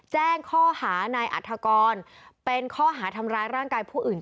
แจ้งข้อหานายอัฐกรเป็นข้อหาทำร้ายร่างกายผู้อื่น